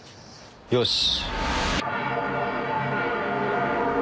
よし。